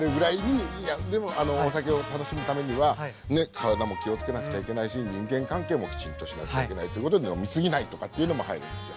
でもお酒を楽しむためにはね体も気を付けなくちゃいけないし人間関係もきちんとしなくちゃいけないっていうことで飲み過ぎないとかっていうのも入るんですよ。